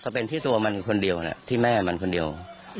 เป็นที่ตัวมันคนเดียวที่แม่มันคนเดียว